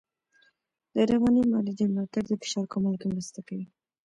د رواني معالجې ملاتړ د فشار کمولو کې مرسته کوي.